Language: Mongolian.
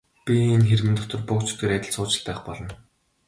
Би энэ хэрмэн дотор буг чөтгөр адил сууж л байх болно.